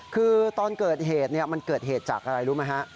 คือตอนเกิดเหตุมันเกิดเหตุจากอะไรรู้ไหมฮะ